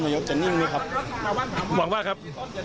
อย่างกว่าครับ